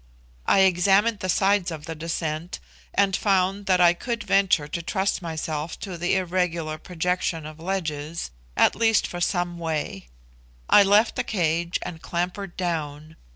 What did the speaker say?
I examined the sides of the descent, and found that I could venture to trust myself to the irregular projection of ledges, at least for some way. I left the cage and clambered down.